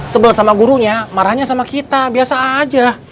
sebel sama gurunya marahnya sama kita biasa aja